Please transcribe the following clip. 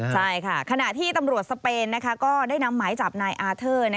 ใช่ค่ะขณะที่ตำรวจสเปนก็ได้นำหมายจับนายอาเทอร์